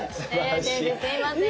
先生すいません。